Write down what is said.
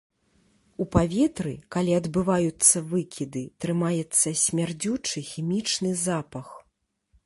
У паветры, калі адбываюцца выкіды, трымаецца смярдзючы хімічны запах.